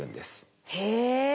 へえ。